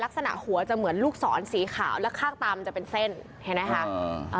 ลักษณะหัวจะเหมือนลูกศรสีขาวแล้วข้างตามันจะเป็นเส้นเห็นไหมคะ